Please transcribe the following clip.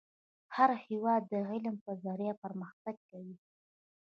هر هیواد د علم په ذریعه پرمختګ کوي .